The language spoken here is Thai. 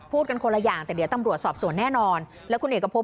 กันคนละอย่างแต่เดี๋ยวตำรวจสอบสวนแน่นอนแล้วคุณเอกพบ